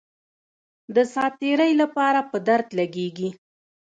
د ساعت تیرۍ لپاره په درد لګېږي.